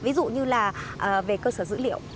ví dụ như là về cơ sở dữ liệu